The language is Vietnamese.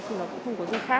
thì nó cũng không có gì khác